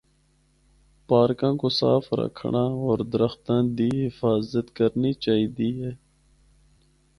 پارکاں کو صاف رکھنڑا ہور درختاں دی حفاظت کرنی چاہے دی ہے۔